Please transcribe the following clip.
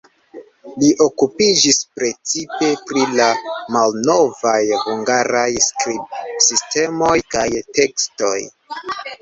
Li okupiĝis precipe pri la malnovaj hungaraj skribsistemoj kaj tekstoj.